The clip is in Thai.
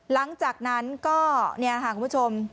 หลังจากนั้นก็นี่อาหารคุณผู้ชม